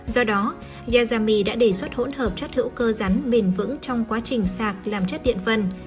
do đó yazami đã đề xuất hỗn hợp chất hữu cơ rắn bền vững trong quá trình sạc làm chất điện phân